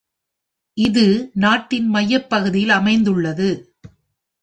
இது நாட்டின் மையப்பகுதியில் அமைந்துள்ளது